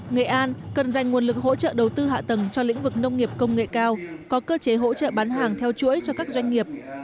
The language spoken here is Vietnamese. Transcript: nghệ an cần dành nguồn lực hỗ trợ đầu tư hạ tầng cho lĩnh vực nông nghiệp công nghệ cao có cơ chế hỗ trợ bán hàng theo chuỗi cho các doanh nghiệp